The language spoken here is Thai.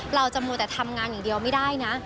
เราจะมัวแต่ทำงานอย่างเดียวไม่ได้นะ